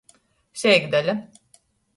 Seikdaļa.